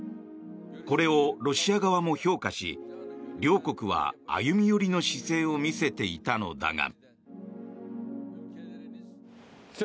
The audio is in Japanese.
これをロシア側も評価し両国は歩み寄りの姿勢を見せていたのだが。